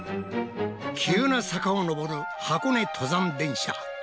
急な坂をのぼる箱根登山電車。